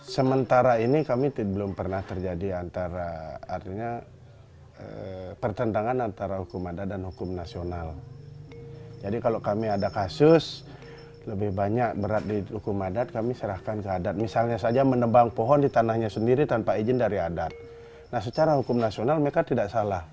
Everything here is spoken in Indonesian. sementara ini kami berada di tempat yang terbaik